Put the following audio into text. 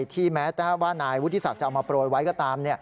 แม้ว่านายวุฒิศักดิ์เอามาโปรยไว้ก็ตาม